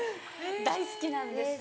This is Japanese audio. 大好きなんですよ。